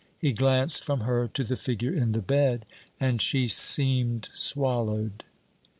He glanced from her to the figure in the bed, and she seemed swallowed.